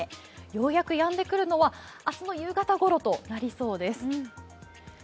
ようやくやんでくるのは明日の夕方ごろとなりそうです。